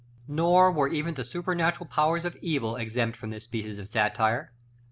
§ LIII. Nor were even the supernatural powers of evil exempt from this species of satire.